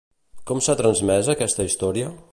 Com s'ha transmès aquesta història?